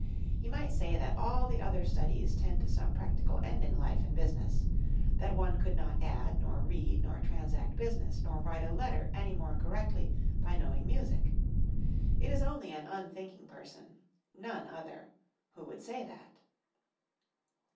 He might say that all the other studies tend to some practical end in life and business: that one could not add, nor read, nor transact business, nor write a letter any more correctly by knowing music. It is only an unthinking person none other who would say that.